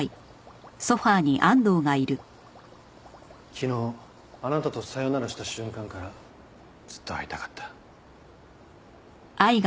昨日あなたとさよならした瞬間からずっと会いたかった。